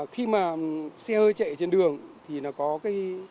khi mà xe hơi chạy trên đường thì nó có cái